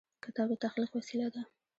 کتاب د تخلیق وسیله ده.